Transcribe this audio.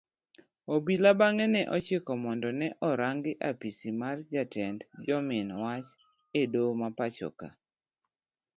Obila bange ne ochiki mondo ne orangi apisi mar jatend jomin wach edoho mapachoka